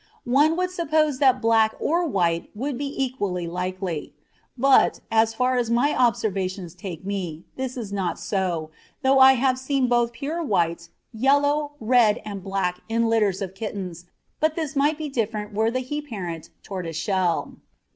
One would suppose that black or white would be equally likely; but, as far as my observations take me, this is not so, though I have seen both pure white, yellow, red, and black in litters of kittens, but this might be different were the he parent tortoiseshell.